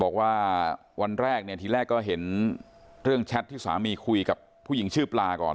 บอกว่าวันแรกเนี่ยทีแรกก็เห็นเรื่องแชทที่สามีคุยกับผู้หญิงชื่อปลาก่อน